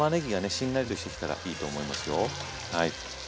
しんなりとしてきたらいいと思いますよ。